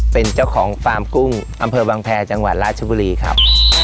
เป็นเจ้าของฟาร์มกุ้งอำเภอวังแพรจังหวัดราชบุรีครับ